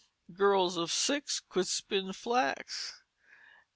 Girls of six could spin flax.